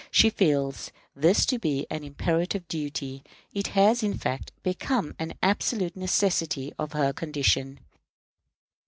She feels this to be an imperative duty. It has, in fact, become an absolute necessity of her condition.